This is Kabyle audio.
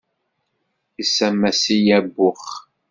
Issames-iyi abux.